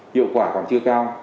hiệu quả còn chưa cao